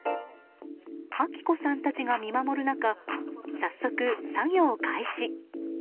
明子さんたちが見守る中早速、作業開始。